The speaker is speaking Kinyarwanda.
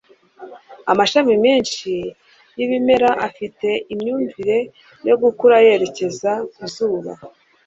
Amashami menshi yibimera afite imyumvire yo gukura yerekeza ku zuba